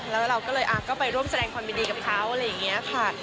แล้วเราก็เลยก็ไปร่วมแสดงความยินดีกับเขาอะไรอย่างนี้ค่ะ